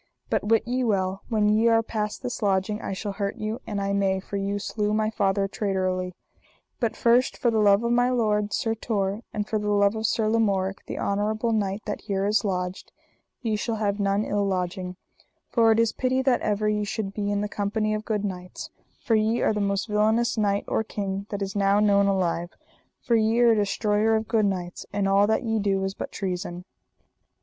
But wit ye well, when ye are past this lodging I shall hurt you an I may, for ye slew my father traitorly. But first for the love of my lord, Sir Tor, and for the love of Sir Lamorak, the honourable knight that here is lodged, ye shall have none ill lodging; for it is pity that ever ye should be in the company of good knights; for ye are the most villainous knight or king that is now known alive, for ye are a destroyer of good knights, and all that ye do is but treason.